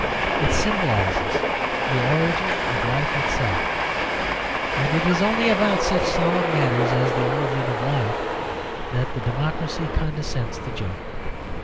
It symbolises the origin of life itself. And it is only about such solemn matters as the origin of life that the democracy condescends to joke.